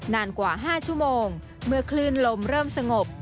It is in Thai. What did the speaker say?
นานกว่า๕ชั่วโมงเมื่อคลื่นลมเริ่มสงบ